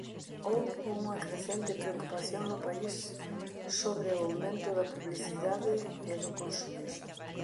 Houbo unha crecente preocupación no país sobre o aumento da publicidade e do consumismo.